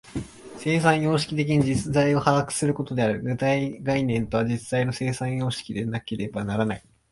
生産様式的に実在を把握することである。具体概念とは、実在の生産様式でなければならない。